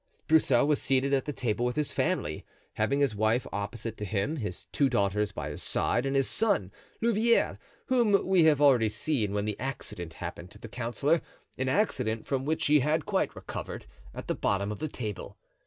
Broussel was seated at the table with his family, having his wife opposite to him, his two daughters by his side, and his son, Louvieres, whom we have already seen when the accident happened to the councillor—an accident from which he had quite recovered—at the bottom of the table.